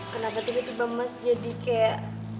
kenapa tiba tiba emas jadi kayak